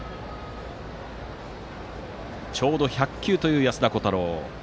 ちょうど１００球という安田虎汰郎。